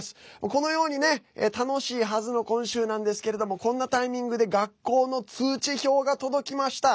このようにね、楽しいはずの今週なんですけれどもこんなタイミングで学校の通知表が届きました。